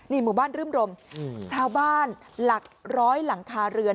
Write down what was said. หมู่บ้านรื่มรมชาวบ้านหลักร้อยหลังคาเรือน